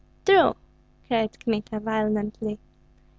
"True!" cried Kmita, violently.